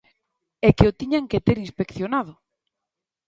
É que o tiñan que ter inspeccionado.